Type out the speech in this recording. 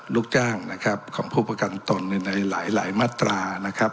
ลูกจ้างนะครับของผู้ประกันตนในหลายมาตรานะครับ